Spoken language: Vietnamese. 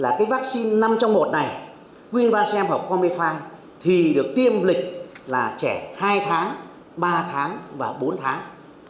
cái vaccine năm trong một này queenvacem và combi năm thì được tiêm lịch là trẻ hai tháng ba tháng và bốn tháng